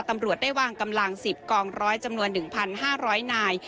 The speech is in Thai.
ตำรวจได้วางกำลัง๑๐กองร้อยจำนวน๑๕๐๐นาย